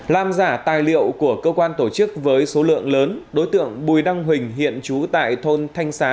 làm giả tài liệu của cơ quan tổ chức với số lượng lớn đối tượng bùi đăng huỳnh hiện trú tại thôn thanh xá